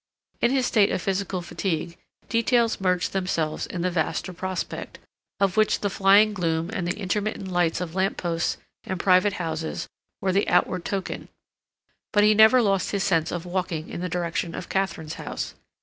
In his state of physical fatigue, details merged themselves in the vaster prospect, of which the flying gloom and the intermittent lights of lamp posts and private houses were the outward token, but he never lost his sense of walking in the direction of Katharine's house.